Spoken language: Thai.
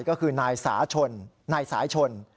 ก็คือนายสาชนนายสายชน